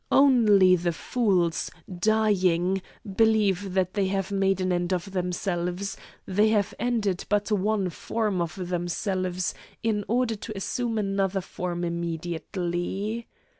Only the fools, dying, believe that they have made an end of themselves they have ended but one form of themselves, in order to assume another form immediately.